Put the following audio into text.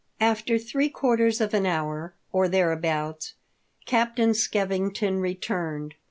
After three quarters of an hour, or there abouts. Captain Skevington returned.